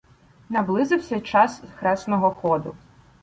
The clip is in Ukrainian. Наблизився час хресного ходу.